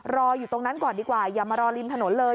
รออยู่ตรงนั้นก่อนดีกว่าอย่ามารอริมถนนเลย